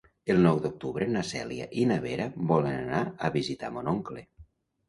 El nou d'octubre na Cèlia i na Vera volen anar a visitar mon oncle.